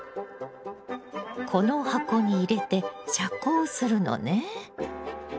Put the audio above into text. この箱に入れて遮光するのね。